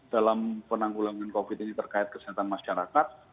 dalam penanggulangan covid ini terkait kesehatan masyarakat